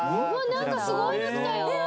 何かすごいの来たよえっ